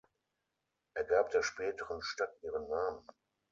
Er gab der späteren Stadt ihren Namen.